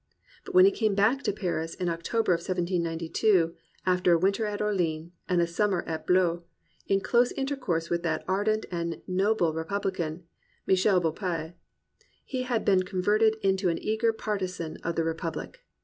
But when he came back to Paris in October of 1792, after a winter at Orleans and a summer at Blois, in close intercourse with that ardent and noble republican, Michael Beaupuy, he had been converted into an eager partisan of the Republic.